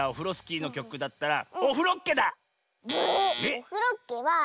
「オフロッケ！」は。